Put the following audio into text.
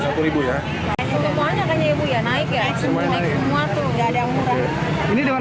semua semua tuh gak ada yang murah